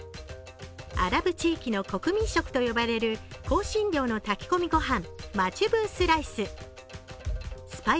アラブ地域の国民食と呼ばれる香辛料の炊き込みご飯マチュブースライス。